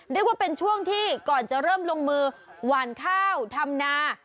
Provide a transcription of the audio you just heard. เรียกว่าเป็นช่วงที่ก่อนจะเริ่มลงมือหวานข้าวทำนา